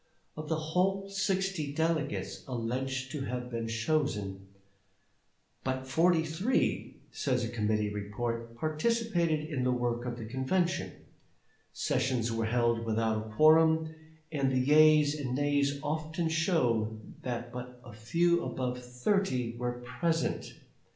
Of the whole sixty delegates alleged to have been chosen, "but forty three," says a Committee Report, "participated in the work of the convention. Sessions were held without a quorum, and the yeas and nays often show that but few above thirty were present.